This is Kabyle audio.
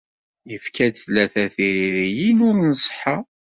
Yefka-d tlata tririyin ur nṣeḥḥa.